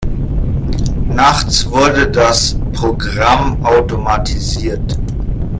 Nachts wurde das Programm automatisiert.